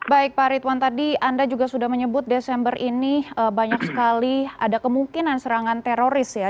baik pak ridwan tadi anda juga sudah menyebut desember ini banyak sekali ada kemungkinan serangan teroris ya